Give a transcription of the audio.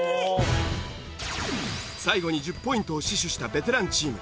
最後に１０ポイントを死守したベテランチーム。